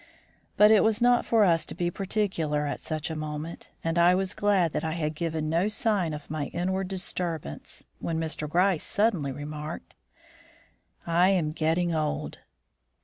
But it was not for us to be particular at such a moment, and I was glad that I had given no sign of my inward disturbance, when Mr. Gryce suddenly remarked: "I am getting old."